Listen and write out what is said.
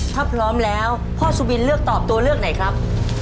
ถ้าพร้อมแล้วพ่อสุบินเลือกตอบตัวเลือกไหนครับ